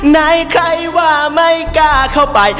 ไหนใครว่าไม่กล้าเข้าไป